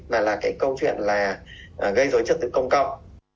mà là cái câu chuyện là gây dối trực tực công cộng